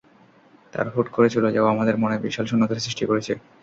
তার হুট করে চলে যাওয়া আমাদের মনে বিশাল শূন্যতা সৃষ্টি করেছে।